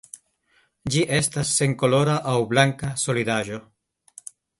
Ĝi estas senkolora aŭ blanka solidaĵo.